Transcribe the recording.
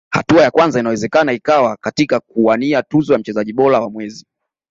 hatua ya kwanza inawezekana ikawa katika kuwania tuzo ya mchezaji bora wa mwezi